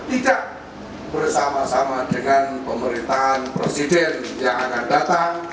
tidak bersama sama dengan pemerintahan presiden yang akan datang